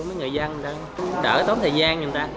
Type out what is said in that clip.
mấy người dân đỡ tốt thời gian người ta